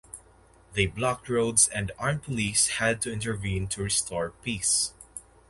They blocked roads and armed police had to intervene to restore peace.